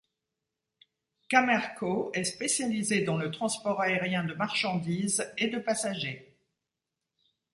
Camair-Co est spécialisée dans le transport aérien de marchandises et de passagers.